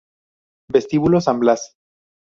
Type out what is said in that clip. Vestíbulo San Blas